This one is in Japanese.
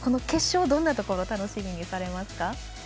決勝、どんなところを楽しみにされますか？